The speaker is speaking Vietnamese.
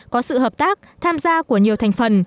có sự hợp tác tham gia của nhiều thành phần